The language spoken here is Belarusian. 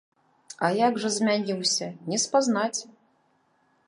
А як жа змяніўся, не спазнаць!